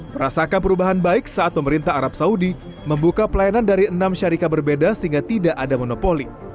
merasakan perubahan baik saat pemerintah arab saudi membuka pelayanan dari enam syarikat berbeda sehingga tidak ada monopoli